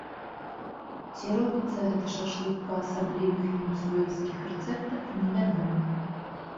Ці робіцца гэты шашлык па асаблівых венесуэльскіх рэцэптах, невядома.